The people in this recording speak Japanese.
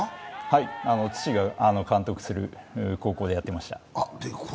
はい、父が監督する高校でやっていました。